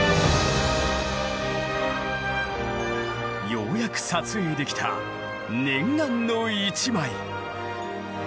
ようやく撮影できた念願の一枚。